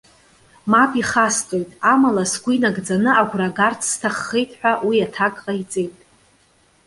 Мап ихасҵоит, амала сгәы инагӡаны агәра агарц сҭаххеит,- ҳәа уи аҭак ҟаиҵеит.